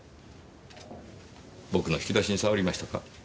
僕の引き出しに触りましたか？